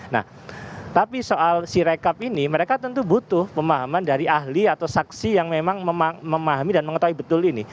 nah tapi soal si rekap ini mereka tentu butuh pemahaman dari ahli atau saksi yang memang memahami dan mengetahui betul ini